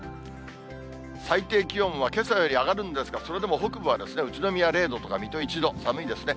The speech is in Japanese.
最低気温はけさより上がるんですが、それでも北部は宇都宮０度とか水戸１度、寒いですね。